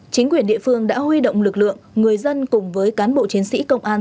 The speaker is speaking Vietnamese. chính quyền địa phương đã huy động lực lượng người dân cùng với cán bộ chiến sĩ công an